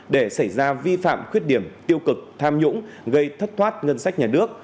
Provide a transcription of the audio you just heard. để xảy ra vi phạm khuyết điểm tiêu cực tham nhũng gây thất thoát ngân sách nhà nước